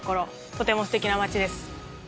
とてもステキな街です。